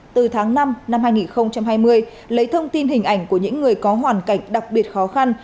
từ tháng năm năm hai nghìn hai mươi lấy thông tin hình ảnh của những người có hoàn cảnh đặc biệt khó khăn